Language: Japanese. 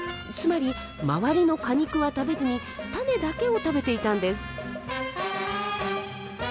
つまり周りの果肉は食べずに種だけを食べていたんです。